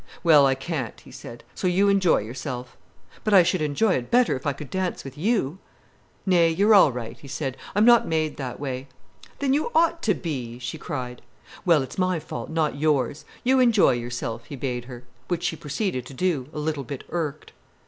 "Well, I can't," he said. "So you enjoy yourself." "But I should enjoy it better if I could dance with you." "Nay, you're all right," he said. "I'm not made that way." "Then you ought to be!" she cried. "Well, it's my fault, not yours. You enjoy yourself," he bade her. Which she proceeded to do, a little bit irked.